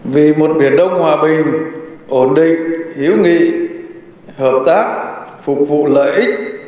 vì một biển đông hòa bình ổn định hiếu nghị hợp tác phục vụ lợi ích tổng thể toàn diện